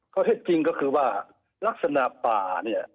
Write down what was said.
ข้อเท็จจริงก็คือว่าลักษณะป่าเนี่ย